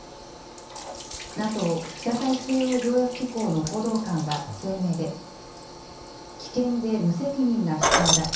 ＮＡＴＯ・北大西洋条約機構の報道官は声明で、危険で無責任な主張だ。